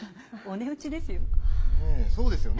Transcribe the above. お値打ちですよ。